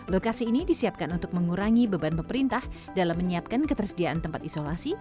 lokasi ini disiapkan untuk mengurangi beban pemerintah dalam menyiapkan ketersediaan tempat isolasi